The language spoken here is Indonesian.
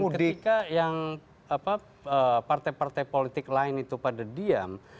dan ketika yang partai partai politik lain itu pada diam